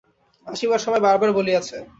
আসিবার সময় বার বার বলিয়াছে।